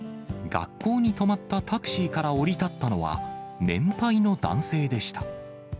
学校に止まったタクシーから降り立ったのは、年配の男性でした。